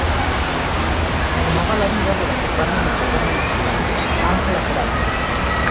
Tomaba la vida de la soprano mexicana legendaria, Ángela Peralta.